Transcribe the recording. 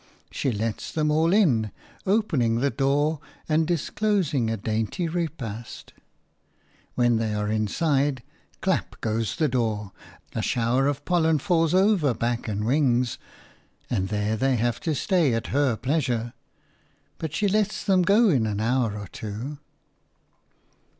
She lets them all in, opening the door and disclosing a dainty repast. When they are inside, clap goes the door, a shower of pollen falls over back and wings, and there they have to stay at her pleasure; but she lets them go in an hour or two.